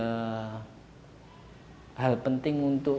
halus itu hull penting untuk